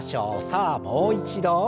さあもう一度。